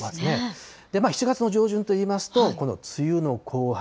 ７月の上旬といいますと、この梅雨の後半。